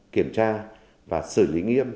kiểm tra và xử lý nghiêm